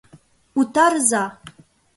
Утарыза!..